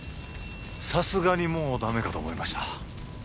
さすがにもうダメかと思いました